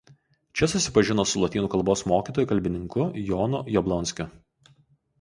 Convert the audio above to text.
Čia susipažino su lotynų kalbos mokytoju kalbininku Jonu Jablonskiu.